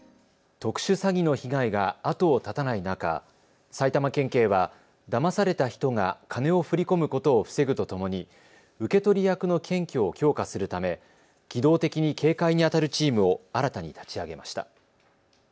特殊詐欺の被害が後を絶たない中、埼玉県警はだまされた人が金を振り込むことを防ぐとともに受け取り役の検挙を強化するため機動的に警戒にあたるチームを新たに立ち上げました。